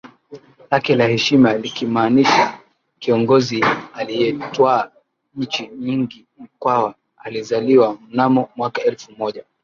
lake la heshima likimaanisha kiongozi aliyetwaa nchi nyingiMkwawa alizaliwa mnamo mwaka elfu moja